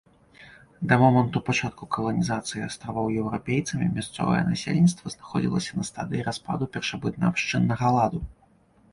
Да моманту пачатку каланізацыі астравоў еўрапейцамі мясцовае насельніцтва знаходзілася на стадыі распаду першабытнаабшчыннага ладу.